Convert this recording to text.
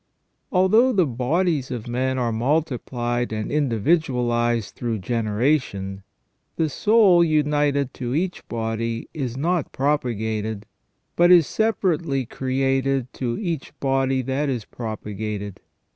Although the bodies of men are multiplied and individualized through generation, the soul united to each body is not propa gated, but is separately created to each body that is propagated.